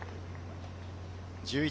１１